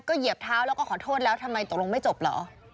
เหยียบเท้าแล้วก็ขอโทษแล้วทำไมตกลงไม่จบเหรอ